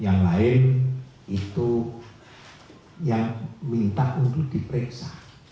yang lain itu yang minta untuk diperiksa